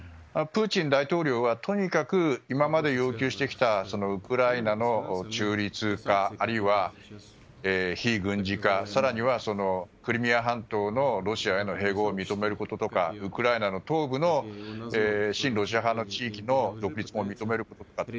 プーチン大統領はとにかく今まで要求してきたウクライナの中立化あるいは非軍事化更にはクリミア半島のロシアへの併合を認めることとかウクライナの東部の親ロシア派の地域の独立を認めるとか。